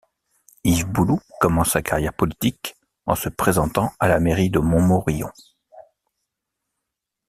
Yves Bouloux commence sa carrière politique en se présentant à la mairie de Montmorillon.